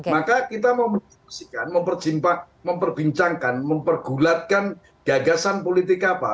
maka kita memperjimpakan memperbincangkan mempergulatkan gagasan politik apa